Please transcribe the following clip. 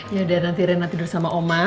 yaudah nanti rena tidur sama oma